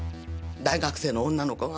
大学生の女の子が。